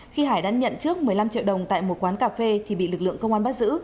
khi hải đã nhận trước một mươi năm triệu đồng tại một quán cà phê thì bị lực lượng công an bắt giữ